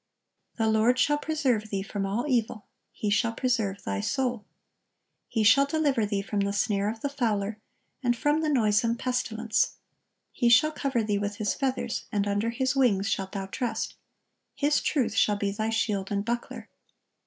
The Lord shall preserve thee from all evil: He shall preserve thy soul." "He shall deliver thee from the snare of the fowler, and from the noisome pestilence. He shall cover thee with His feathers, and under His wings shalt thou trust: His truth shall be thy shield and buckler.